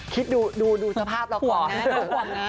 คิดดูสภาพเราก่อน